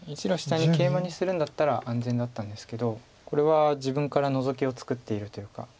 １路下にケイマにするんだったら安全だったんですけどこれは自分からノゾキを作っているというか。